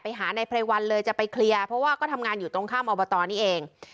หานายไพรวัลเลยจะไปเคลียร์เพราะว่าก็ทำงานอยู่ตรงข้ามอบตนี่เอง